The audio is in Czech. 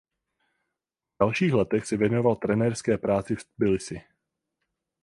V dalších letech se věnoval trenérské práci v Tbilisi.